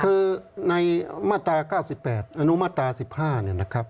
คือในมาตรา๙๘อนุมาตรา๑๕เนี่ยนะครับ